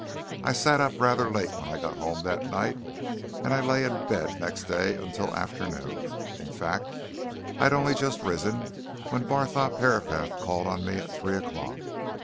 I sat up rather late when I got home that night, and I lay in bed next day until afternoon in fact, I'd only just risen when Barthorpe Herapath called on me at three o'clock.